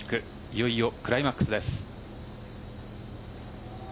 いよいよクライマックスです。